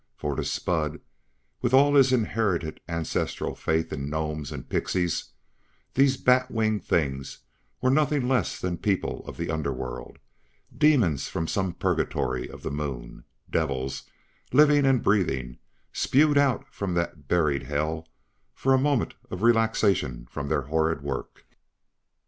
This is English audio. For to Spud, with all his inherited ancestral faith in gnomes and pixies, these bat winged things were nothing less than people of the under world demons from some purgatory of the Moon devils, living and breathing, spewed out from that buried hell for a moment of relaxation from their horrid work.